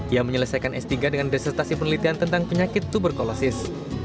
yang menyelesaikan s tiga dengan desertasi penelitian tentang penyakit tuberkulosis